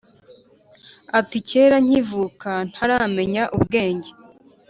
Ati "kera nkivuka Ntaramenya ubwenge